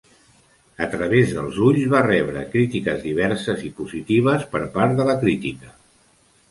"A través dels ulls" va rebre crítiques diverses i positives per part de la crítica.